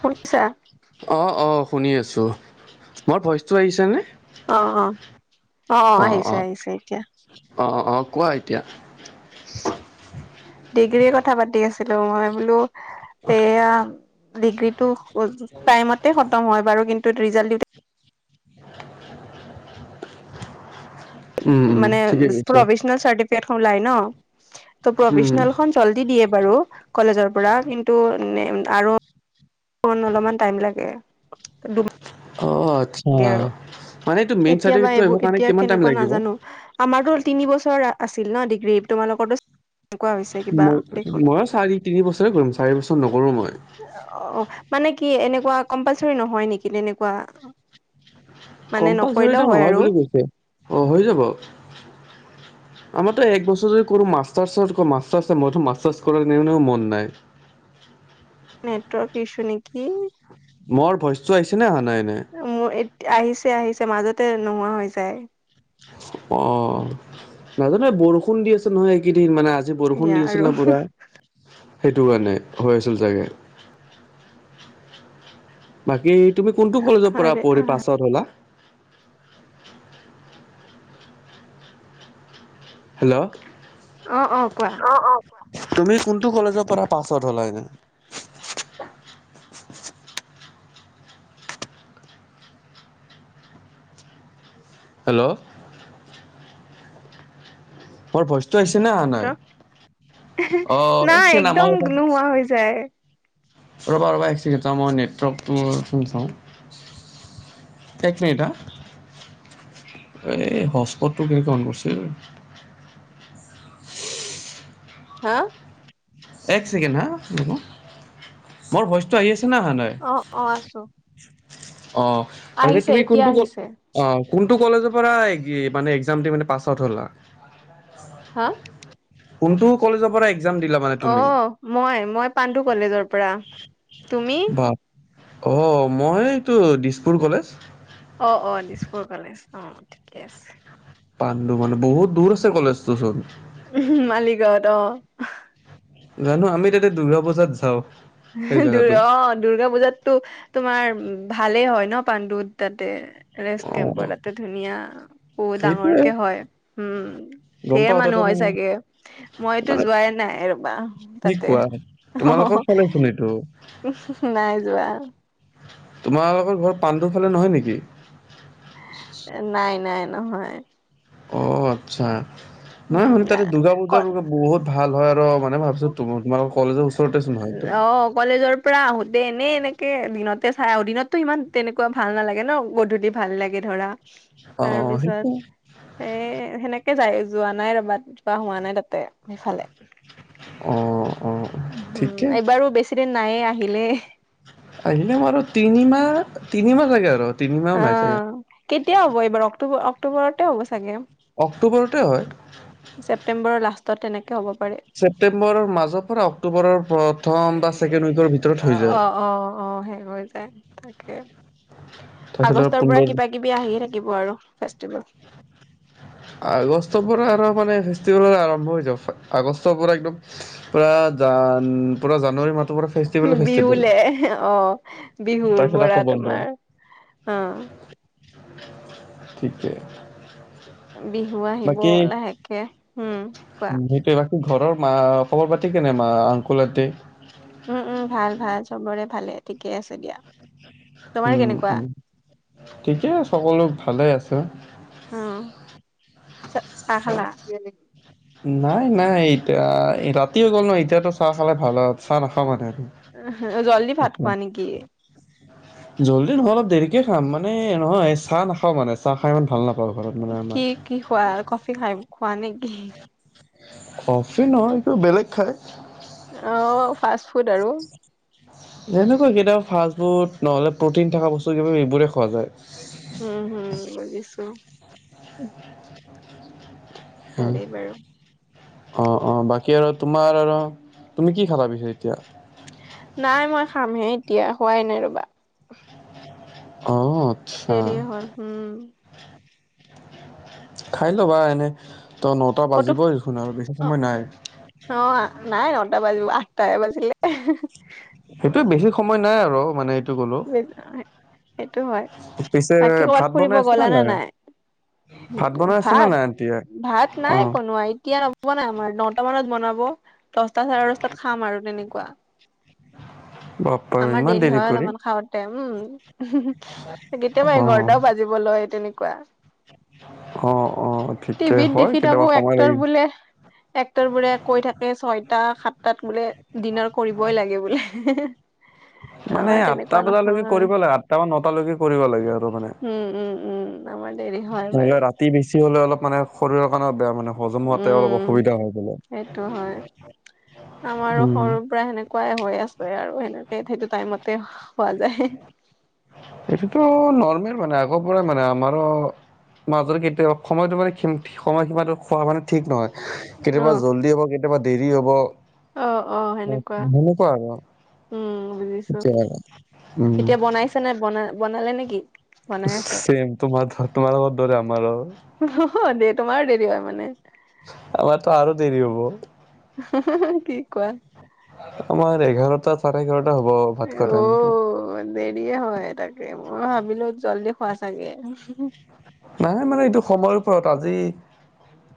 শুনছা? অঁ-অঁ শুনি আছো, মোৰ ভইচটো আহিছে নে? অ অ‌ অ অ আহিছে-আহিছে এতিয়া। অঁ-অঁ কোৱা এতিয়া। ডিগ্ৰীৰ কথা পাতি আছিলো, মই বোলো সেয়া ডিগ্ৰীটো উ টাইমতে খতম হয় বাৰু। কিন্তু ৰিজাল্ট দিওঁতে উম, উম, মানে ঠিকে কৈছা। প্ৰভিজ নেল চাৰ্টিফিকেটখন ওলাই ন, ত উম, প্ৰভিজনেল খন জল্লি দিয়ে বাৰু। কলেজৰ পৰা কিন্তু নে আৰু এইখন অলপমান টাইম লাগে। দু অ আচ্ছা, মানে এইটো মেইন এতিয়া বা চাৰ্টিফিকেটো এইবোৰ আহিব কাৰণে এতিয়া কিমান টাইম কেনেকুৱা লাগিব? নাজানো আমাৰতো তিনি বছৰ আ-আছিল ন ডিগ্ৰী, তোমালোকৰতো [inaudible] এনেকুৱা হৈছে কিবা মই দেখোন। ময়ো চাৰি তিনি বছৰে কৰিম চাৰি বছৰ নকৰো মই। অ-অ মানে কি এনেকুৱা কম্পালচৰি নহয় নেকি তেনেকুৱা? [unintelligible] মানে কম্পালচৰিতো নকৰিলেও হয় নহয় আৰু বুলি কৈছে, অ হৈ যাব। আমাৰতো এক বছৰে কৰো, মাচট্ৰাছ-মাচট্ৰাছত ম‌ইটো মাচট্ৰাছ কৰা এনেও মন নাই। নেটৱৰ্ক ইছ্যু নিকি? মোৰ ভইচটো আহছে নে আহা নাই এনে? উম এ আহিছে-আহিছে মাজতে নোহোৱা হৈ যায়। অঁ নাজানো এই বৰষুণ দি আছে নহয় এইকেইদিন মানে আজি আজি বৰষুণ এয়া দি আছিল আৰু ন পুৰা, সেইটো কাৰণে হৈ আছিল চাগে। বাকী তুমি কোনটো কলেজৰ পৰা আৰে পঢ়ি আহ পাছ আউট হ'লা? হেল্ল'। অ অ কোৱা অ, অ। তুমি কোনটো কলেজৰ পৰা পাছ আউট হ'লা এনে? হেল্ল'। মোৰ ভইচটো আহছে নে অহা নাই। নাই একদম [unintelligible] নোহোৱা হৈ যায়। ৰবা ৰবা এক ছেকেণ্ড, চাওঁ মই নেটৱৰ্কটো ৰ'চোন চাওঁ। এক মিনিট হা। এ হজ্পটটো কেনেকে অন কৰচোন। হা? এক ছেকেণ্ড হা ৰ'বা, মোৰ ভইচটো আহি আছে নে অহা নাই? অ অ আছোঁ। অ, হেৰি তুমি এতিয়া কোনটো ক আহিছে অ কোনটো কলেজৰ পৰা এ গি মানে একজাম দি মানে পাছ আউট হ'লা? হা? কোনটো কলেজৰ পৰা একজাম দিলা? মানে অ তুমি মই, মই পাণ্ডু কলেজৰ পৰা। তুমি? বা অ, মই এইটো দিছপুৰ কলেজ। অ অ দিছপুৰ কলেজ, অ ঠিকে আছে। পাণ্ডু মানে বহুত দূৰ আছে কলেজটো চোন। উমহু মালিগাঁৱত অ। জানো আমি তাতে দুৰ্গা পূজাত যাওঁ। সেই জেগাটো অ দুৰ্গা পূজাত টো তোমাৰ ভালেই হয় ন পাণ্ডু তাতে ৰেষ্ট অ', কেম্পৰ তাতে ধুনীয়া বহুত সেইটোৱে ডাঙৰকে হয় উম। গম ঢেৰ পাওঁ তাতে মানুহ হয় হয় মানে চাগে। মই তো মানে যোৱাই নাই ৰবা কি তাতে কোৱা অ [unintelligible] নাই যোৱা। তোমাৰ লগৰ ঘৰ পাণ্ডুৰ ফালে নহয় নেকি? নাই, নাই, নহয় অ' আচ্ছা নহয় উম মানে তাতে দুৰ্গা পূজা বহুত ভাল হয় আৰু মানে ভাব তোমালোক কলেজৰ ওচৰতে ছোন ন হয়তো। অ' কলেজৰ পৰা আহোতে এনেই এনেকে দিনতে চাই আহোঁ দিনততো ইমান তেনেকুৱা ভাল নালাগে ন গধূলি ভাল লাগে ধৰা। অ', তাৰপিছত সেইটো এ সেণেকে যায় যোৱা নাই ৰবা তিবা হোৱা নাই তাতে সেইফালে। অ', অ', উম, ঠিকে। এবাৰো বেছিদিন নাইয়ে আহিলে। আহিলে ম আৰু তিনিমাহ তিনিমাহ লাগে আৰু। তিনিমাহো নাই চাগে। অ' কেতিয়া হ'ব এইবাৰ অক্টো অক্টোবৰতে হব চাগে। অক্টোবৰতে হয়। ছেপটেম্বৰৰ লাষ্টত তেনেকে হ'ব পাৰে। ছেপ্টেম্বৰৰ মাজৰ পৰা অক্টোবৰৰ প্ৰথম বা ছেকেণ্ড উইকৰ ভিতৰত হৈ যায়। অ', অ, অ, সেই কৰি তাকে আগষ্টৰ তাৰপিছত পৰা আৰু কিবা আহিয়ে থাকিব আৰু ফেষ্টিভেল। আগষ্টৰ পৰা আৰু মানে ফেষ্টিভেল আৰম্ভ হৈ যাব আগষ্টৰ পৰা একদম পুৰা পুৰা জানুৱাৰী মাহটোৰ পৰা ফেষ্টিভেলে ফেষ্টিভেল। বিহুলে অ 'বিহৰ তাৰপিছত আকৌ পৰা তোমাৰ অ ঠিকেই বিহু আহিব লাহেকে উম, কোৱা উম সেইটোৱে বাকি ঘৰৰ মা খবৰ পাতি কেনে মা আংকুলহতে। উম, উম, ভাল, ভাল চবৰে ভালে ঠিকে আছে দিয়া। তোমাৰ উম, কেনেকুৱা উম ঠিকেই সকলো ভালে আছে। উম, চাহ খালা নাই নাই এতিয়া ৰাতিও হৈ গল ন এতিয়াতো চাহ খালে ভাল হয় চাহ নাখাওঁ মানে আৰু। এহে জল্দি ভাত এতিয়া। খোৱা নেকি? [unintelligible] জল্দি নহয় অলপ দেৰিকে খাম মানে নহয় চাহ নাখাওঁ মানে চাহ খাই ইমান ভাল নাপাওঁ ঘৰত। মানে আমাৰ। কি কি খোৱা কফি খাই খোৱা নেকি? কফি নহয় এইটো বেলেগ খাই। অ, ফাষ্ট ফুড আৰু। এনেকুৱা কেতিয়াবা ফাষ্ট ফুড নহলে প্ৰটিন থকা বস্তু কিবা কিবি এইবোৰে খোৱা যায়। উম, হুম বুজিছো। অহ ভালেই বাৰু। অ, অ, বাকি আৰু তোমাৰ আৰু তুমি কি খাবা পিছে এতিয়া নাই মই খামহে এতিয়া হোৱাই নাই ৰবা। অ', আচ্ছা দেৰি হল উম খাই ল'বা এনে ত নটা বাজিবই দেখোন আৰু বেছি সময় নাই অহ নাই নটা বাজিব আঠটাহে বাজিলে সেইটো বেছি সময় নাই আৰু মানে এই সেইটো অ সেইটো হয় পিছে বাকী কবাত ভাত ফুৰিব বনাই আছে গ'লা নে নাই ভাত বনাই আছে নে ভাত নাই আন্টিয়ে? ভাত নাই অ', বনোৱা এতিয়া বনোৱা নাই আমাৰ নটা মানত বনাব দহটা চাৰে দহটাত খাম আৰু তেনেকুৱা বা পা ওই ইমান দেৰি কৰি তেওঁ হুম কেতিয়ামা অ'। এঘাৰটাও বাজিব লয় তেনেকুৱা অ', অ', টি ঠিকে ভিত হয় দেখি কেতিয়াবা থাকোঁ সময় লাগি এক্টৰ বোলে এক্টৰ বোৰে কৈ থাকে ছয়টা সাতটাত বোলে ডিনাৰ কৰিবই লাগে বোলে মানে আমাৰ আঠটা তেনেকুৱা বজালৈকে নহয়। কৰিব লাগে আঠটা বা নটালৈকে কৰিব লাগে আৰু মানে উম উম উম আমাৰ দেৰি হয় নহ'লে বাৰু ৰাতি বেছি হ'লে অলপ মানে শৰীৰৰ কাৰণে বেয়া মানে হজম হোৱাতে অলপ উম। অসুবিধা হয় বোলে সেইটো হয়। আমাৰো উম, সৰুৰ পৰা সেনে তেনেকুৱা হৈ আছে আৰু সেনেকে সেইটো টাইমতে হোৱা যায় এইটোতো নৰ্মেল মানে আগৰ পৰাই মানে আমাৰো মাজৰ কেতিয়াবা সময়টো মানে সীমিত সময় সীমাটো খোৱা পানী ঠিক নহয় কেতিয়াবা অ', জল্ডি হ'ব কেতিয়াবা দেৰি হ'ব অ', অ', অহ সেনেকুৱা আৰু উম, আচ্ছা উম চেনাই বনা বনালে নে কি চেম তোমাৰ তোমাৰলোকৰ দৰে আমাৰো অ দে তোমাৰো দেৰি হয় মানে আমাৰতো আৰু দেৰি হব কি কোৱা আমাৰ এঘাৰটা চাৰে এঘাৰটা হ'ব ভাত খোৱা টাইমটো অ' দেৰিয়ে হয় তাকে মই ভাবিলো জল্ডি খোৱা চাগে নাই মানে এইটো সময়ৰ ওপৰত আজি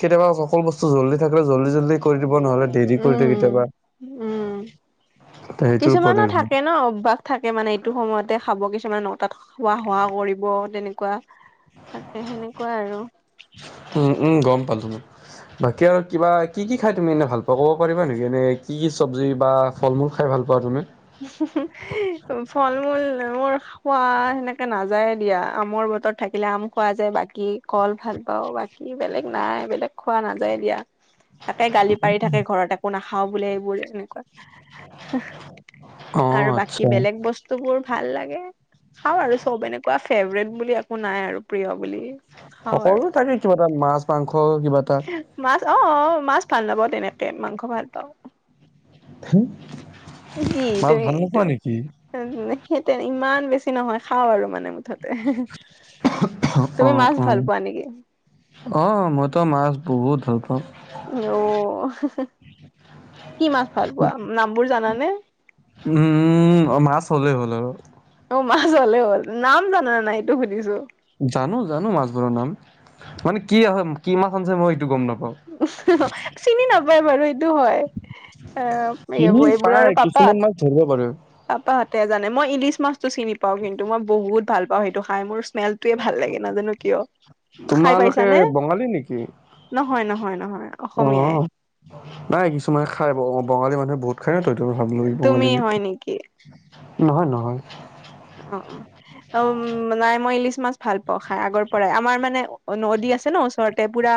কেতিয়াবা সকলো বস্তু চৌ জল্ডি থাকে জল্ডিও জল্ডি কৰি দিব নহলে দেৰি কৰি দিয়ে উম, কেতিয়াবা উম। সেইটোৰ ওপৰতে কিছুমানৰ থাকে ন অভ্যাস থাকে মানে এইটো সময়তে খাব কিছুমানে নটাত খোৱা হোৱা কৰিব তেনেকুৱা থাকে সেনেকুৱা আৰু উম উম গম পালো বাকী আৰু কিবা কি কি খায় তুমি এনেই ভাল পোৱা ক'ব পাৰিবা নেকি এনেই কি কি চবজি বা ফল মূল খাই ভাল পোৱা তুমি ফল মূল মোৰ খোৱা সেনেকে নাযায়ে দিয়া আমৰ বতৰত থাকিলে আম খোৱা যায় বাকী কল ভাল পাওঁ বা কি বেলেগ নাই বেলেগ খোৱা নাযায় দিয়া [inaudible] তাকে গালি পাৰি থাকে ঘৰত একো নাখাওঁ বোলে সেইবোৰে এনেকুৱা অ আৰু বাকী আচ্ছা বেলেগ বস্তু বোৰ ভাল লাগে খাওঁ আৰু চব এনেকুৱা ফেভৰেট বুলি একো নাই আৰু প্ৰিয় বুলি খাওঁ আৰু সকলো থাকে, কিবা এটা মাছ মাংস কিবা এটা মাছ অ' মাছ ভাল নাপাওঁ তেনেকে, মাংস ভাল পাওঁ। ধেই, মাছ ভাল নোপোৱা নেকি? সেইতে ইমান বেছি নহয়, খাওঁ আৰু মানে মুঠতে। অ তুমি মাছ অ ভাল পোৱা নেকি? অ', মইতো মাছ বহুত ভাল পাওঁ। অ', কি মাছ ভাল পোৱা নামবোৰ জানানে? উম, মাছ হ'লেই হ'ল আৰু। অ', মাছ হ'লে হ'ল। নাম জানানে নাই সেইটো সুধিছো? জানো, জানো মাছবোৰ নাম। মানে কি হয় কি মাছ আনিছে মই সেইটো গ'ম নাপাওঁ। চিনি নাপায় বাৰু এইটো হয়। এ চিনি এইবোৰ এইবোৰ পাই আৰু কিছুমান পাপাহ'ত মাছ ধৰিব পাৰো। পাপাহঁতে জানে, মই ইলিছ মাছতটো চিনি পাওঁ কিন্তু, মই বহুত ভাল পাওঁ সেইটো খাই। মোৰ স্মেলটয়ে ভাল লাগে নাজানো কিয়? খাই তোমালোকে পাইছানে? বঙালী নেকি? নহয়, নহয়, নহয় অসমীয়াই। অ', নাই কিছুমানে খাই বঙালী মানুহে বহুত খায় ন, ত। 'এইটো ভাবিলো তুমি বঙালী নেকি। হয় নহয়, নহয়। অ', অ'। অম নাই মই ইলিছ মাছ ভাল পাওঁ খাই আগৰ পৰাই। আমাৰ মানে নদী আছে ন ওচৰতে। পুৰা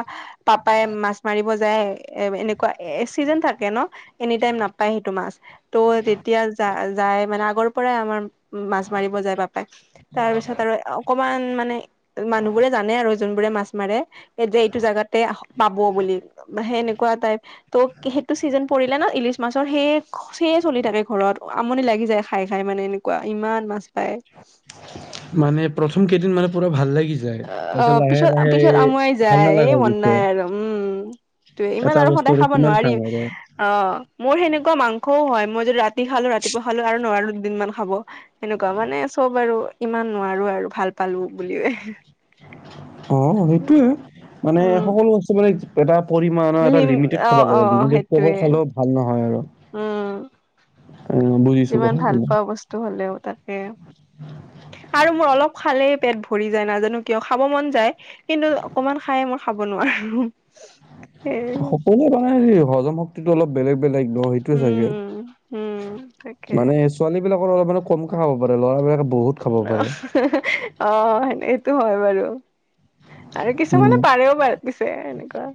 পাপাই মাছ মাৰিব যায়। এ এনেকুৱা চিজন থাকে ন, এনি টাইম নাপ পাই সেইটো মাছ। ত' তেতিয়া যা যাই মানে। আগৰ পৰাই আমাৰ মাছ মাৰিব যায় আৰু পাপাই। তাৰ পিছত আৰু অকমান মানে, মানুহ বোৰে জানে আৰু যোনবোৰে মাছ মাৰে। যে এইটো জোগাতে পাব বুলি সেনেকুৱা টাইপ। ত' সেইটো ছিজন পৰিলে ন ইলিছ মাছ ৰ সেই সেয়ে চলি থাকে ঘৰত। আমনি লাগি যায় খাই খাই মানে এনেকুৱা ইমান মাছ পায়। মানে প্ৰথম কেইদিন মানে পুৰা ভাল লাগি যা অ', অ' পিছত পিছত আমুৱাই ভাল যায়। নালাগা এই হৈ মন গৈছে নাই আৰু উম। এইতোয়ে, ইমান এটা আৰু বস্তু সদায় খাব কিমান নোৱাৰি। খাম আৰু। অ' মোৰ সেনেকুৱা মাংসও হয়, মই যদি ৰাতি খালো ৰাতিপুৱা খালো আৰু নোৱাৰো দুদিনমান খাব। সেনেকুৱা মানে, চব আৰু ইমান নোৱাৰো আৰু ভাল পালো বুলি এ। অ' সেইটোয়ে, মানে উম সকলো বস্তু মানে এটা পৰিমাণৰ এটা লিম লিমিটেড অ খাব লাগে, অ লিমিটেডত কৈ সেইটোৱে অভাৰ খালেও ভাল নহয় আৰু। উম। অ' বুজি যিমান ভাল পোৱা বস্তু হ'লেও তাকে আৰু মোৰ অলপ খালেই পেট ভৰি যায়, নাজানো কিয়? খাব মন যায়। কিন্তু অকমান খাই মই খাব নোৱাৰো। সেই সকলোৱে মানে হেৰি হজম শক্তিটো অলপ বেলেগ বেলেগ নহয়। সেই টো চাগে, উম উম তাকে মানে ছোৱালী বিলাকৰ অলপ মানে কমকে খাব পাৰে। ল'ৰাবিলাকে বহুত খাব পাৰে অ' এইটো হয় বাৰু। আৰু উম কিছুমানে পাৰেও বাৰু পিছে এনেকুৱা।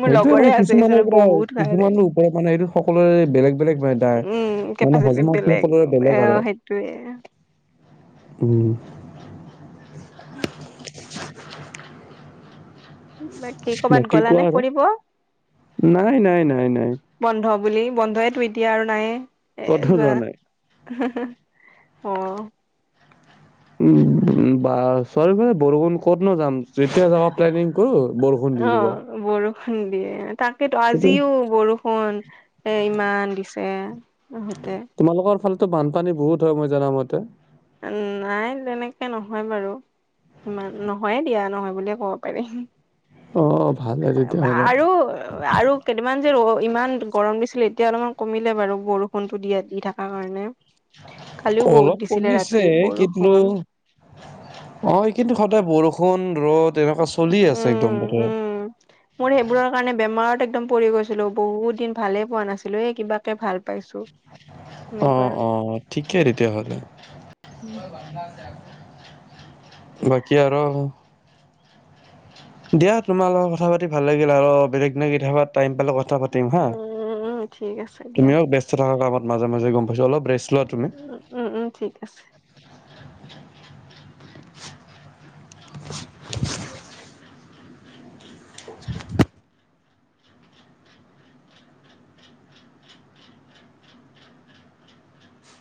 মোৰ সেইটোয়ে লগৰে মানে, আছে এইজনে কিছুমানৰ পৰা বহুত পাৰে কিছুমানৰ ওপৰত মানে সেইটো সকলোৰে বেলেগ বেলেগ মানে। উম ত' মানে কেপাচিটি হজম শক্তি বেলেগ সকলৰে এ বেলেগ আৰু, সেইটোয়ে উম। উম উ, [unintelligible] বাকী কৰবাত গলা কোৱা নে আৰু ফুৰিব। নাই নাই নাই নাই বন্ধ বুলি বন্ধয়েতো এতিয়া আৰু নাই এ ক'তো যোৱা। নাই হে হে, অঁ উম বা চাৰিওফালে বৰষুণ, ক'ত নো যাম। যেতিয়া যাবা প্লেনিংটো কৰোঁ বৰষুণ অ দি দিব। বৰষুণ দিয়ে তাকেতো সেইটো আজিও বৰষুণ এ ইমান দিছে তাতে তোমালোকৰ ফালেতো বানপানী বহুত হয় মই জানামতে- নাই তেনেকে নহয় বাৰু ইমান নহয়ে দিয়া নহয় বুলিয়ে ক'ব পাৰি। অঁ অ ভালে তেতিয়াহ'লে আৰু আৰু কেইদিনমান যে ইমান গৰম দিছিলে এতিয়া অলপমান কমিলে বাৰু বৰষুণটো দিয়া দি থকাৰ কাৰণে। কালিও বহুত অলপ দিছিলে কমিছে ৰাতি কিন্তু বৰষুণ অ কিন্তু সদায় বৰষুণ, ৰ'দ, এনেকুৱা চলি আছে একদম উম তাতে উম মোৰ সেইবোৰৰ কাৰণে বেমাৰত একদম পৰি গৈছিলো বহুত দিন ভালে পোৱা নাছিলো এ কিবা- তে ভাল পাইছো। অ সেনেকুৱা আৰু অ ঠিকেই তেতিয়াহলে। উম বাকী আৰু দিয়া তোমাৰ লগত কথা পাতি ভাল লাগিল আৰু বেলেগ দিনা কেতিয়াবা টাইম পালে কথা প কথা পাতিম হা, উম উম উম ঠিক আছে দিয়া তুমিও ব্যস্ত থকা কামত মাজে মাজে গম পাইছো। অলপ ব লোৱা তুমি। উম উম উম ঠিক আছে। [unintelligible]